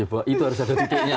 bahwa itu harus ada titiknya